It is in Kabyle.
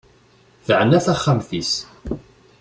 Teɛna taxxmat-is.